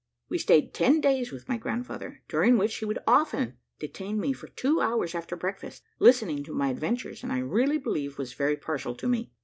We stayed ten days with my grandfather, during which he would often detain me for two hours after breakfast, listening to my adventures, and I really believe was very partial to me.